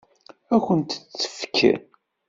Ad kent-tt-tefk?